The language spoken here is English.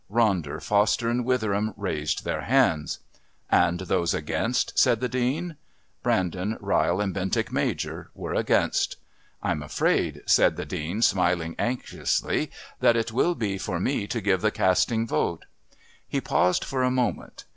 Ronder, Foster and Witheram raised their hands. "And those against?" said the Dean. Brandon, Ryle and Bentinck Major were against. "I'm afraid," said the Dean, smiling anxiously, "that it will be for me to give the casting vote." He paused for a moment.